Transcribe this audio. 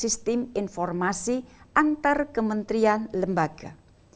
sistem informasi antar kementerian lembaga